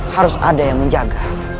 harus ada yang menjaga